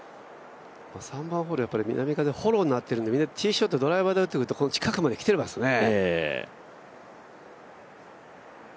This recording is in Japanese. ３番ホール、南風がフォローになってますからみんなティーショットドライバーで打ってると近くまで来てますね。